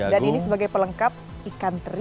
dan ini sebagai pelengkap ikan teri